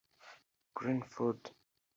Green Food